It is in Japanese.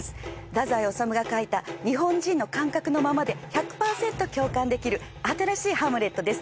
太宰治が書いた日本人の感覚のままで１００％共感できる新しい「ハムレット」です